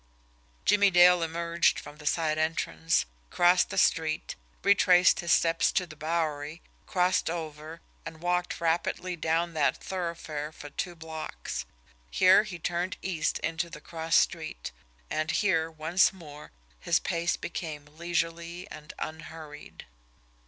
Jimmie Dale emerged from the side entrance, crossed the street, retraced his steps to the Bowery, crossed over, and walked rapidly down that thoroughfare for two blocks. Here he turned east into the cross street; and here, once more, his pace became leisurely and unhurried.